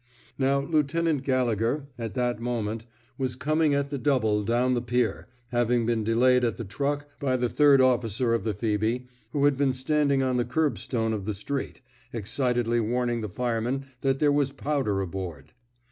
Now Lieutenant Gallegher, at that mo ment, was coming at the double down the pier, having been delayed at the truck by the third officer of the Phoebe, who had been standing on the curbstone of the street, excitedly warning the firemen that there was powder aboard.